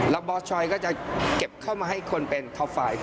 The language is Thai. แล้วบอสชอยก็จะเก็บเข้ามาให้คนเป็นท็อปไฟล์